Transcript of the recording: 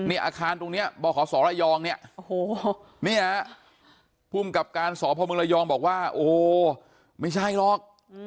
อาคารตรงนี้บอกขอสอระยองเนี่ยพุ่งกับการสอพระมึงระยองบอกว่าโอ้โหไม่ใช่หรอก